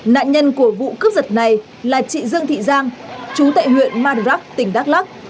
nạn nhân của vụ cướp giật này là chị dương thị giang chú tại huyện madrak tỉnh đắk lắc